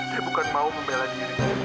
saya bukan mau membela diri